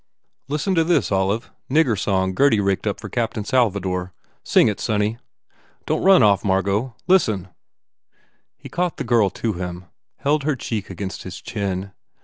"Listen to this, Olive. Nigger song Gurdy raked up for Captain Salvador. Sing it, sonny. Don t run off, Margot. Listen." He caught the girl to him, held her cheek against his chin.